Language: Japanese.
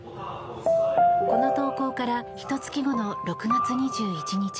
この投稿からひと月後の６月２１日。